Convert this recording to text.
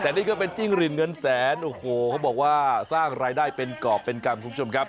แต่นี่ก็เป็นจิ้งหลีดเงินแสนโอ้โหเขาบอกว่าสร้างรายได้เป็นกรอบเป็นกรรมคุณผู้ชมครับ